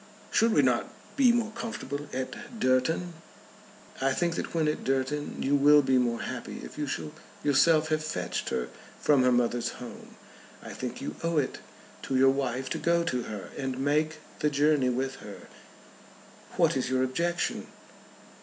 "Should we not be more comfortable at Durton?" "I think that when at Durton you will be more happy if you shall yourself have fetched her from her mother's home. I think you owe it to your wife to go to her, and make the journey with her. What is your objection?"